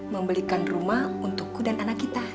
membelikan rumah untukku dan anak kita